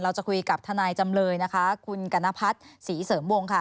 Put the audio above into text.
เราจะคุยกับทนายจำเลยนะคะคุณกัณพัฒน์ศรีเสริมวงค่ะ